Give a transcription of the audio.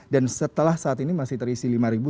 dan setelah saat ini masih terisi lima ribu